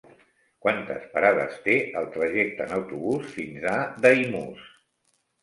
Quantes parades té el trajecte en autobús fins a Daimús?